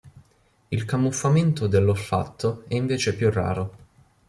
Il camuffamento dall'olfatto è invece più raro.